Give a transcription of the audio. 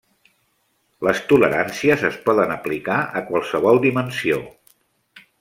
Les toleràncies es poden aplicar a qualsevol dimensió.